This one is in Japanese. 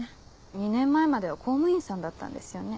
２年前までは校務員さんだったんですよね？